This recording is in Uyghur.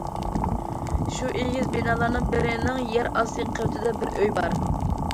شۇ ئېگىز بىنالارنىڭ بىرىنىڭ يەر ئاستى قەۋىتىدە بىر ئۆي بار.